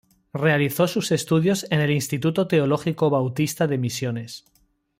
Realizó sus estudios en el Instituto Teológico Bautista de Misiones.